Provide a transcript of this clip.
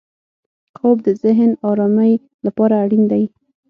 خوب د ذهن ارامۍ لپاره اړین دی